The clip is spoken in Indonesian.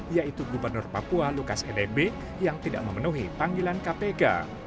yaitu gubernur papua lukas nmb yang tidak memenuhi panggilan kpk